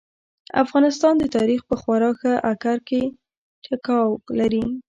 افغانستان د تاريخ په خورا ښه اکر کې ټيکاو لري.